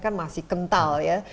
kan masih kental ya